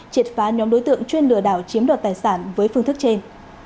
triệt phá nhóm đối tượng chuyên lừa đảo chiếm đoạt tài sản với phương thức trên